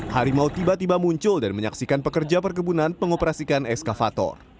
harimau tiba tiba muncul dan menyaksikan pekerja perkebunan mengoperasikan eskavator